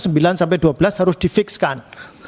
pendidikan dasar itu sembilan sampai dua belas harus difikskan